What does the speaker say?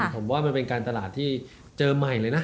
ผมว่ามันเป็นการตลาดที่เจอใหม่เลยนะ